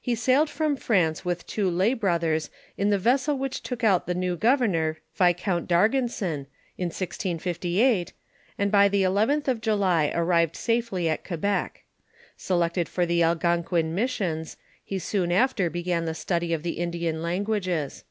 He sailed from France with two lay brothers in the vessel which took out the new governor Viscount d'Argenson, in 1658, and by the eleventh of July arrived safely at Quebec. Selected for the Algonquin missions, he soon after began the study of the Indian languages.